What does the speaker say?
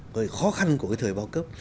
rồi khó khăn của cái thời báo cấp